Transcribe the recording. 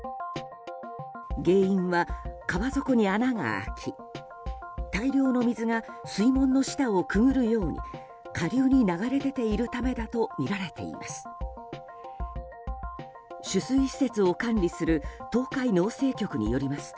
原因は、川底に穴が開き大量の水が水門の下をくぐるように下流に流れ出ているためだとみられています。